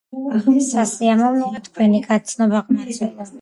სასიამოვნოა თქვენი გაცნობა ყმაწვილო